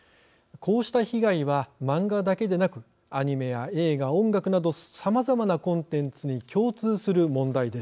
こうした被害は漫画だけでなくアニメや映画音楽などさまざまなコンテンツに共通する問題です。